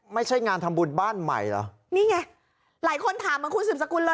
ไม่ใช่งานทำบุญบ้านใหม่เหรอนี่ไงหลายคนถามเหมือนคุณสืบสกุลเลย